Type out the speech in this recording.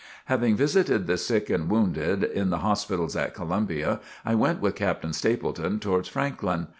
Having visited the sick and wounded in the hospitals at Columbia, I went with Captain Stepleton towards Franklin.